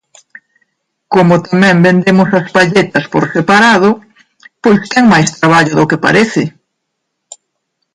Como tamén vendemos as palletas por separado, pois ten máis traballo do que parece.